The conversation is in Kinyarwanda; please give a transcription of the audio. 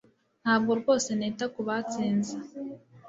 Ntabwo rwose nita kubatsinze